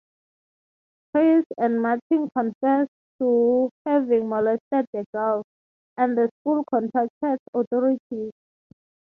Geis and Martin confessed to having molested the girl, and the school contacted authorities.